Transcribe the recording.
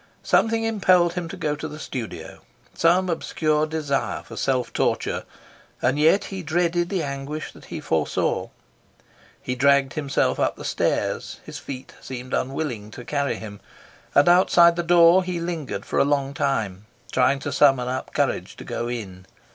Something impelled him to go to the studio, some obscure desire for self torture, and yet he dreaded the anguish that he foresaw. He dragged himself up the stairs; his feet seemed unwilling to carry him; and outside the door he lingered for a long time, trying to summon up courage to go in.